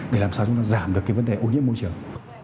để làm sao chúng ta giảm được cái vấn đề ô nhiễm môi trường